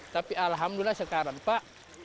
tapi alhamdulillah sekarang pak